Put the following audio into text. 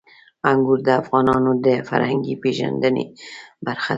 انګور د افغانانو د فرهنګي پیژندنې برخه ده.